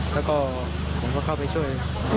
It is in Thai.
แล้วก็ผมก็เข้าไปช่วย